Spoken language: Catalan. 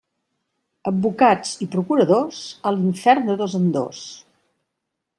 Advocats i procuradors, a l'infern de dos en dos.